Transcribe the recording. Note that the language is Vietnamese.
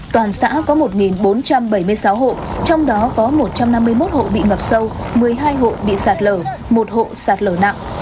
toàn xã có một bốn trăm bảy mươi sáu hộ trong đó có một trăm năm mươi một hộ bị ngập sâu một mươi hai hộ bị sạt lở một hộ sạt lở nặng